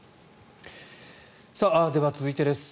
では、続いてです。